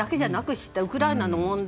してウクライナの問題